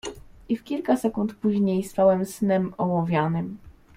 "I w kilka sekund później spałem snem ołowianym."